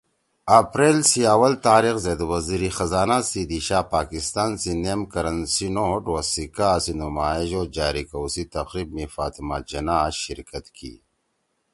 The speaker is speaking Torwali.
اپریل سی اول تاریخ زید وزیر خزانہ سی دیِشا پاکستان سی نیم کرنسی نوٹ او سکّا سی نمائش او جاری کؤ سی تقریب می فاطمہ جناح شرکت کی